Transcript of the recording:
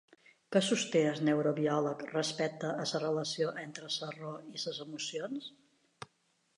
Què sosté el neurobiòleg respecte a la relació entre la raó i les emocions?